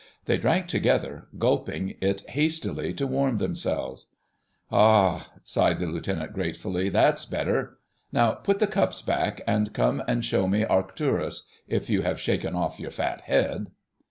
They drank together, gulping it hastily to warm themselves. "A ah!" sighed the Lieutenant gratefully. "That's better. Now put the cups back, and come and show me Arcturus—if you have shaken off your fat head!"